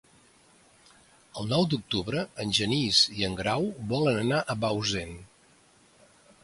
El nou d'octubre en Genís i en Grau volen anar a Bausen.